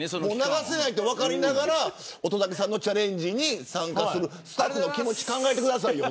流せないと分かりながらチャレンジに参加するスタッフの気持ち考えてください。